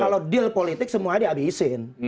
kalau deal politik semua dihabisin